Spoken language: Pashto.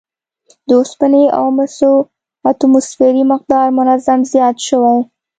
د اوسپنې او مسو اتوموسفیري مقدار منظم زیات شوی